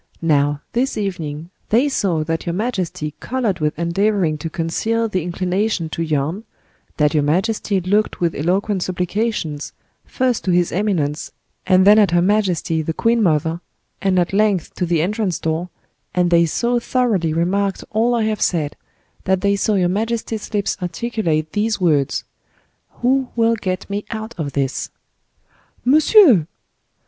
Now, this evening, they saw that your majesty colored with endeavoring to conceal the inclination to yawn, that your majesty looked with eloquent supplications, first to his eminence, and then at her majesty, the queen mother, and at length to the entrance door, and they so thoroughly remarked all I have said, that they saw your majesty's lips articulate these words: 'Who will get me out of this?'" "Monsieur!"